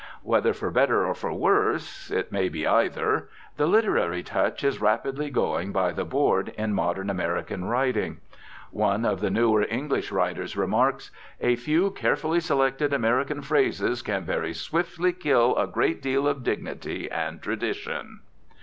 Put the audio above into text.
Whether for better or for worse it may be either the literary touch is rapidly going by the board in modern American writing. One of the newer English writers remarks: "A few carefully selected American phrases can very swiftly kill a great deal of dignity and tradition."